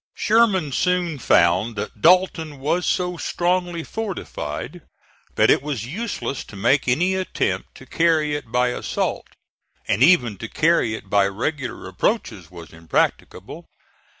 Sherman soon found that Dalton was so strongly fortified that it was useless to make any attempt to carry it by assault; and even to carry it by regular approaches was impracticable.